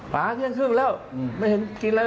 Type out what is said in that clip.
ละเมื่อเที่ยงฟึกแล้วไม่เห็นกินอะไร